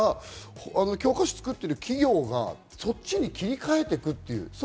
教科書を作っている企業がそっちに切り替えていくという。